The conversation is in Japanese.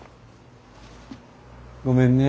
ごめんね。